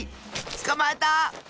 つかまえた！